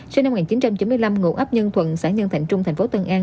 sinh năm một nghìn chín trăm chín mươi năm ngụ ấp nhân thuận xã nhân thạnh trung thành phố tân an